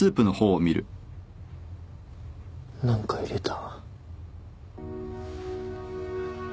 何か入れた？